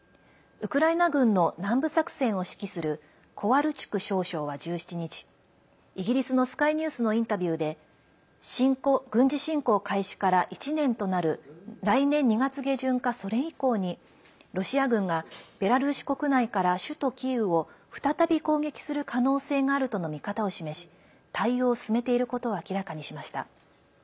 ウクライナ軍の南部作戦を指揮するコワルチュク少将は１７日イギリスのスカイニュースのインタビューで軍事侵攻開始から１年となる来年２月下旬かそれ以降にロシア軍がベラルーシ国内から首都キーウを再び攻撃する可能性があるとの見方を示し対応を進めていることを明らかにしました。